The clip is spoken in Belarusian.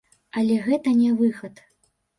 Але гэта не выхад.